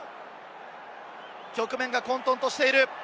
局面が混沌としている。